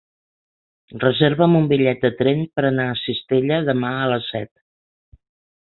Reserva'm un bitllet de tren per anar a Cistella demà a les set.